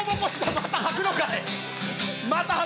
またはくのかい！